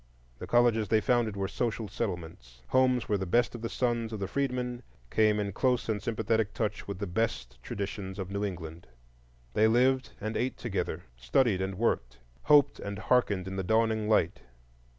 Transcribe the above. The colleges they founded were social settlements; homes where the best of the sons of the freedmen came in close and sympathetic touch with the best traditions of New England. They lived and ate together, studied and worked, hoped and harkened in the dawning light.